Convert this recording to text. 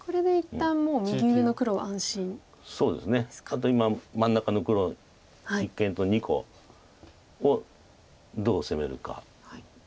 あと今真ん中の黒一間と２個をどう攻めるか。